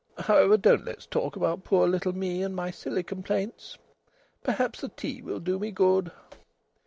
However, don't let's talk about poor little me and my silly complaints. Perhaps the tea will do me good."